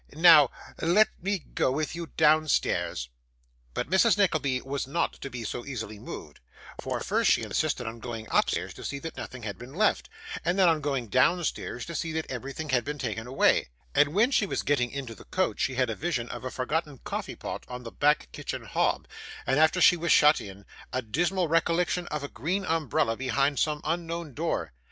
'Now, let me go with you downstairs.' But Mrs. Nickleby was not to be so easily moved, for first she insisted on going upstairs to see that nothing had been left, and then on going downstairs to see that everything had been taken away; and when she was getting into the coach she had a vision of a forgotten coffee pot on the back kitchen hob, and after she was shut in, a dismal recollection of a green umbrella behind some unknown door.